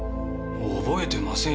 覚えてませんよ。